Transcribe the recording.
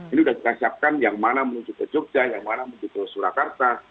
ini sudah kita siapkan yang mana menuju ke jogja yang mana menuju ke surakarta